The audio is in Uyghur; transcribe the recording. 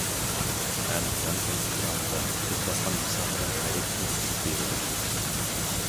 ھەم يانفون ئېكرانىدا بىز باسقان مۇساپىنىڭ خەرىتىسىنى سىزىپ بېرىدۇ.